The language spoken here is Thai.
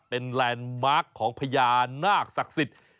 เป็นแลนด์มาร์คของพญานาคศักดิ์สิทธิ์